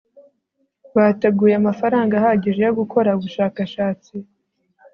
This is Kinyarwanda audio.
bateguye amafaranga ahagije yo gukora ubushakashatsi